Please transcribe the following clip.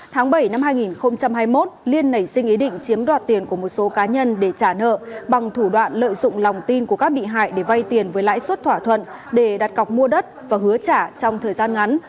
tháng bảy năm hai nghìn hai mươi một liên nảy sinh ý định chiếm đoạt tiền của một số cá nhân để trả nợ bằng thủ đoạn lợi dụng lòng tin của các bị hại để vay tiền với lãi suất thỏa thuận để đặt cọc mua đất và hứa trả trong thời gian ngắn